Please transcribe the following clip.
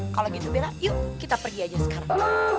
kalau gitu bilang yuk kita pergi aja sekarang